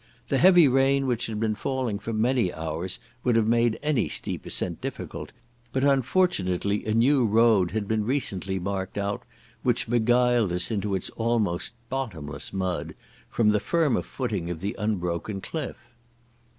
The heavy rain which had been falling for many hours would have made any steep ascent difficult, but unfortunately a new road had been recently marked out, which beguiled us into its almost bottomless mud, from the firmer footing of the unbroken cliff.